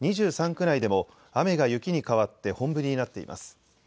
２３区内でも、雨が雪に変わって本降りになっています。